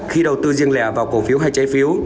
khi đầu tư riêng lẻ vào cổ phiếu hay trái phiếu